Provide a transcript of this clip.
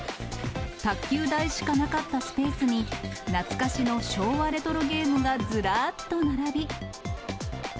卓球台しかなかったスペースに、懐かしの昭和レトロゲームがずらっと並び。